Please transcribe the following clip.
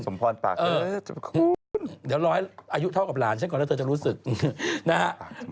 สมภาษณ์ปากขึ้นเออเดี๋ยวรอให้อายุเท่ากับหลานฉันก่อนแล้วเธอจะรู้สึกนะฮะ